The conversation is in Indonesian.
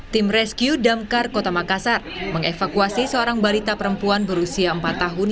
tim rescue damkar kota makassar mengevakuasi seorang balita perempuan berusia empat tahun